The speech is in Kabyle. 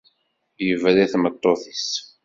Yebra i tmeṭṭut-is